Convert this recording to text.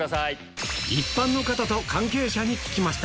一般の方と関係者に聞きました。